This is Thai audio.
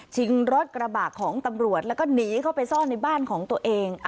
รถกระบะของตำรวจแล้วก็หนีเข้าไปซ่อนในบ้านของตัวเอง